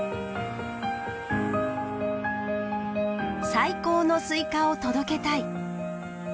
最高のスイカを届けたい。